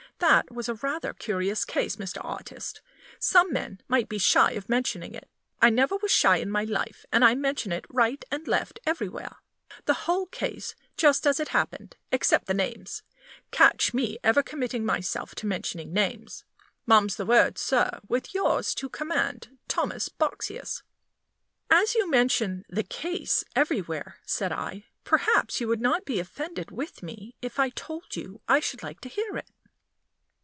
That was rather a curious case, Mr. Artist. Some men might be shy of mentioning it; I never was shy in my life and I mention it right and left everywhere the whole case, just as it happened, except the names. Catch me ever committing myself to mentioning names! Mum's the word, sir, with yours to command, Thomas Boxsious." "As you mention 'the case' everywhere," said I, "perhaps you would not be offended with me if I told you I should like to hear it?"